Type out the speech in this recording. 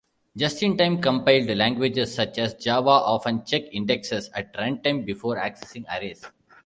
Just-in-time compiled languages such as Java often check indexes at runtime before accessing arrays.